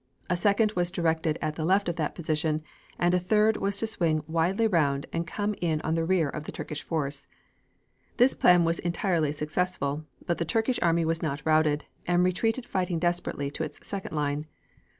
A second was directed at the left of that position, and a third was to swing widely around and come in on the rear of the Turkish force. This plan was entirely successful, but the Turkish army was not routed, and retreated fighting desperately to its second line.